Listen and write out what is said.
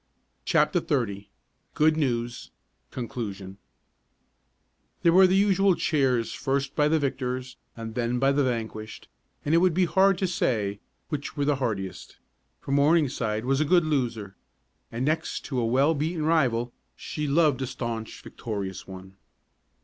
CHAPTER XXX GOOD NEWS CONCLUSION There were the usual cheers first by the victors and then by the vanquished, and it would be hard to say which were the heartiest. For Morningside was a good loser and next to a well beaten rival, she loved a staunch victorious one.